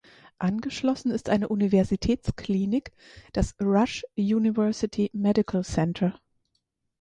Angeschlossen ist eine Universitätsklinik, das "Rush University Medical Center".